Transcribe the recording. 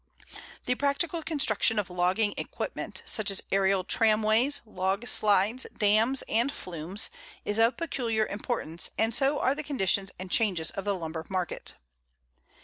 The practical construction of logging equipment, such as aerial tramways, log slides, dams, and flumes, is of peculiar importance, and so are the conditions and changes of the lumber market.